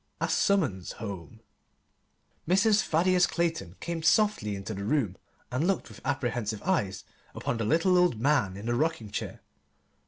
A Summons Home Mrs. Thaddeus Clayton came softly into the room and looked with apprehensive eyes upon the little old man in the rocking chair.